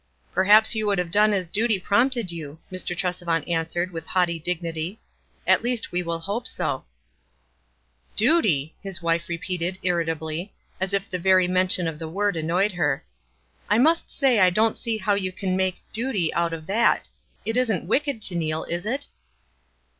"Perhaps you would have done as duty prompted you," Mr. Tresevant answered, with haughty dignity. "At least we will hope so." 336 WISE AND OTHERWISE. "Duty!" his wife repeated, irritably, as if the very mention of the word annoyed her. " I must say I don't see how you make 'duty' out of that. It isn't wicked to kneel, is it?"